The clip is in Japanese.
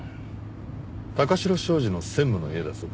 貴城商事の専務の家だそうです。